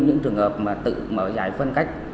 những trường hợp mà tự mở giải phân cách